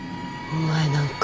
お前なんか。